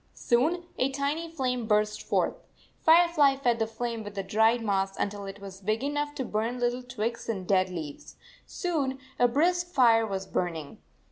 Soon a tiny flame burst forth. Firefly fed the flame with the dried moss until it was big enough to burn little twigs and dead leaves. Soon a brisk fire was burning.